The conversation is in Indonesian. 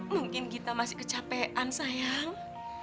mungkin kita masih kecapean sayang